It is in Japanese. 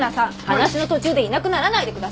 話の途中でいなくならないでください！